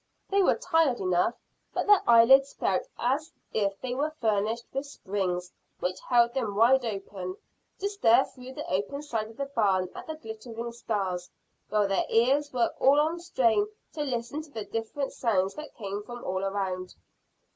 They were tired enough, but their eyelids felt as if they were furnished with springs which held them wide open, to stare through the open side of the barn at the glittering stars, while their ears were all on the strain to listen to the different sounds that came from all around.